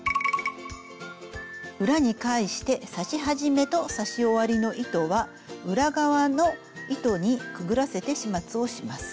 裏に返して刺し始めと刺し終わりの糸は裏側の糸にくぐらせて始末をします。